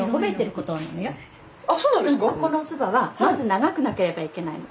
このおそばはまず長くなければいけないの。